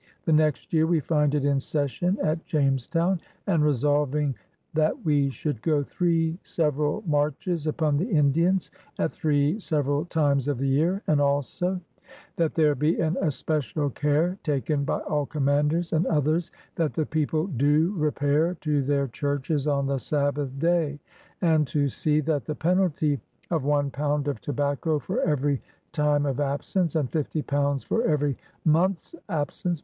The next year we find it in session at Jamestown, and resolving Vthat we should go three severall marches upon the Indians, at three severall times of the yeare, " and also *^ that there be an especiall care taken by all commanders and others that the people doe repaire to their churches on the Saboth day, and to see that the penalty of one pound of tobacco for every time of absence, and 50 pounds for every month's absence